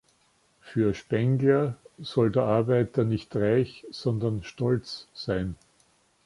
Für Spengler soll der Arbeiter nicht reich, sondern stolz sein.